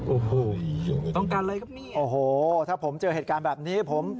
โอ้โหต้องการอะไรก็มีโอ้โหถ้าผมเจอเหตุการณ์แบบนี้ผม